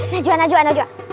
najuan najuan najuan